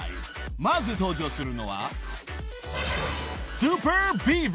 ［まず登場するのは］